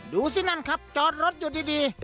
ดูสินั่นครับจอดรถอยู่ดี